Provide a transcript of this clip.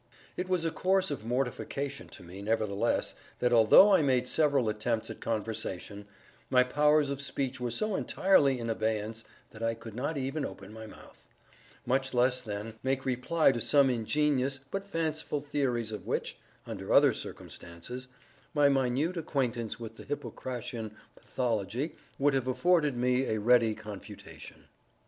It was a course of mortification to me, nevertheless, that although I made several attempts at conversation, my powers of speech were so entirely in abeyance, that I could not even open my mouth; much less, then, make reply to some ingenious but fanciful theories of which, under other circumstances, my minute acquaintance with the Hippocratian pathology would have afforded me a ready confutation.